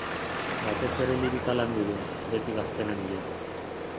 Batez ere lirika landu du, beti gaztelaniaz.